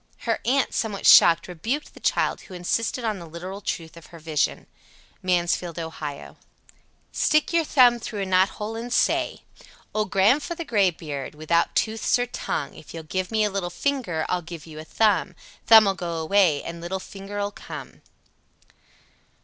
Her aunt, somewhat shocked, rebuked the child, who insisted on the literal truth of her vision. Mansfield, O. 87. Stick your thumb through a knothole and say: Old Gran'f'ther Graybeard, without tooths or tongue, If you'll give me a little finger I'll give you a thumb. Thumb'll go away and little finger'll come.